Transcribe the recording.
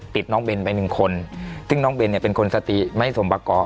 ติดน้องเบนไป๑คนซึ่งน้องเบนเป็นคนสติไม่สมประกอบ